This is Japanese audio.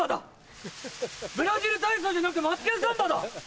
ブラジル体操じゃなくて『マツケンサンバ』だ！